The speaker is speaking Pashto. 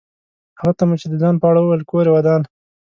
هغه ته مو چې د ځان په اړه وویل کور یې ودان.